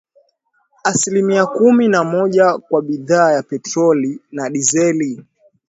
asilimia kumi na moja kwa bidhaa ya petroli na dizeli